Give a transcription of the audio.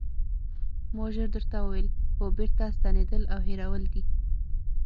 ما ژر درته وویل: هو بېرته ستنېدل او هېرول دي.